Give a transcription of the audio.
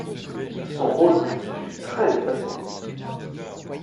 Son rôle politique fut très effacé.